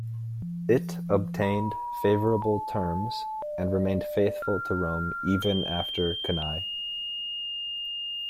It obtained favourable terms, and remained faithful to Rome even after Cannae.